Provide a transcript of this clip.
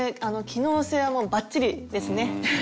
機能性はもうばっちりですね。